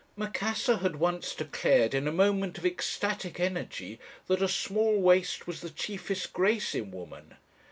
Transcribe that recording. "Macassar had once declared, in a moment of ecstatic energy, that a small waist was the chiefest grace in woman.